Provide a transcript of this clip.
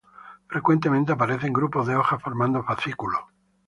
Frecuentemente aparecen grupos de hojas formando fascículos.